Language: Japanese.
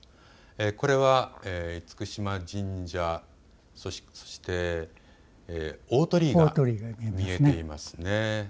これは厳島神社、そして大鳥居が見えますね。